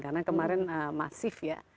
karena kemarin masif ya